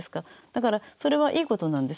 だからそれはいいことなんです